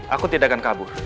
aku tidak akan kabur